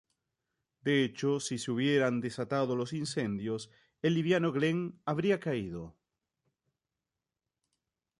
De hecho si se hubieran desatado los incendios el liviano Glen habría caído.